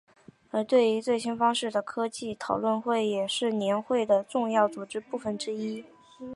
而对于最新方法和技术的讨论会也是年会的重要组成部分之一。